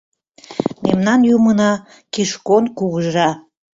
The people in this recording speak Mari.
Мемнан Юмына — Кишкон Кугыжа.